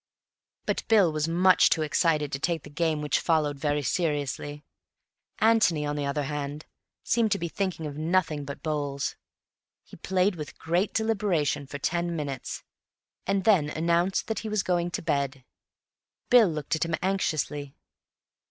But Bill was much too excited to take the game which followed very seriously. Antony, on the other hand, seemed to be thinking of nothing but bowls. He played with great deliberation for ten minutes, and then announced that he was going to bed. Bill looked at him anxiously.